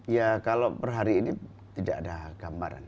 ya kalau per hari ini tidak ada gambaran